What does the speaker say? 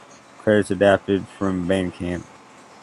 Credits adapted from Bandcamp.